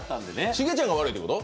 シゲちゃんが悪いってこと？